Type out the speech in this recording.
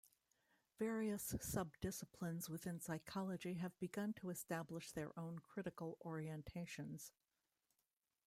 Various sub-disciplines within psychology have begun to establish their own critical orientations.